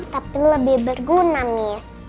tapi lebih berguna miss